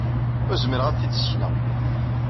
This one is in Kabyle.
Ur zmireɣ ad am-t-id-ssekneɣ.